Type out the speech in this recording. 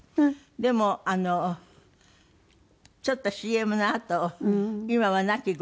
でもあのちょっとＣＭのあと今は亡きご主人。